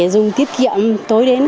dùng tiết kiệm tối đến